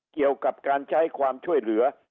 เกี่ยวกับการใช้ความช่วยเหลือ